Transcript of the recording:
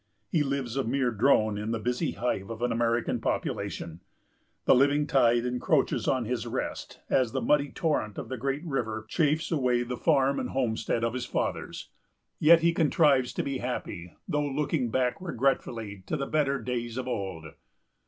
He lives a mere drone in the busy hive of an American population. The living tide encroaches on his rest, as the muddy torrent of the great river chafes away the farm and homestead of his fathers. Yet he contrives to be happy, though looking back regretfully to the better days of old.